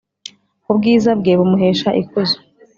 Ubwiza bwe bumuhesha ikuzo.